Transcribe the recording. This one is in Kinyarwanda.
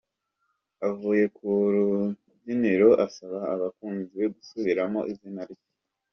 Avuye kunrunyiniro asaba abakunzi be gusubiramo izina rye.